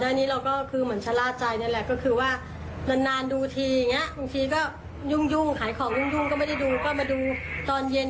เดี๋ยวนี้มันเข้ามากลางวันเราก็ไม่นึกไม่ถึง